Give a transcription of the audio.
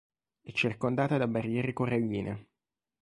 È circondata da barriere coralline.